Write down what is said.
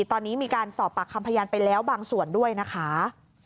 ตอนนี้มีการสอบปากคำพยานไปแล้วบางส่วนด้วยนะคะ